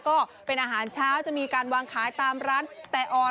ก็เป็นอาหารเช้าจะมีการวางขายตามร้านแต่อ่อน